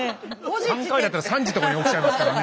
３回だったら３時とかに起きちゃいますからね。